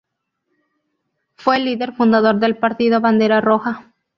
Fue líder fundador del partido Bandera Roja.